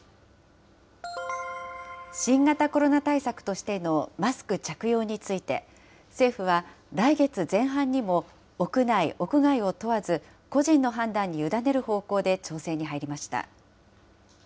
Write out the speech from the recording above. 新型コロナ対策してのマスク着用について、政府は来月前半にも屋内、屋外を問わず個人の判断に委ねる方向で調整に入りました。